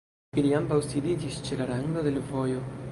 Ili ambaŭ sidiĝis ĉe la rando de l'vojo.